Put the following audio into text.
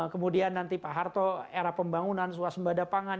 kemudian nanti pak harto era pembangunan suasembada pangan